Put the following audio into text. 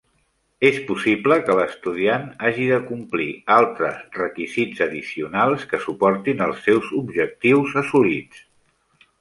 És possible que l'estudiant hagi de complir altres requisits addicionals que suportin els seus objectius assolits.